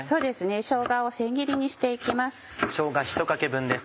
しょうがを千切りにして行きます。